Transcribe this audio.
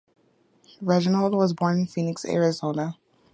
Rheingold was born in Phoenix, Arizona.